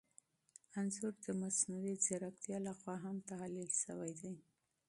انځور د مصنوعي ځیرکتیا لخوا هم تحلیل شوی دی.